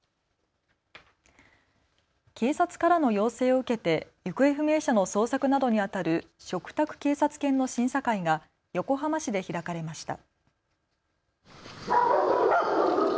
警察からの要請を受けて行方不明者の捜索などにあたる嘱託警察犬の審査会が横浜市で開かれました。